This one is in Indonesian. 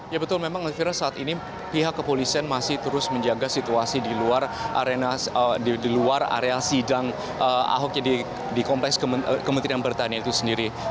ya betul memang elvira saat ini pihak kepolisian masih terus menjaga situasi di luar area sidang ahok di kompleks kementerian pertanian itu sendiri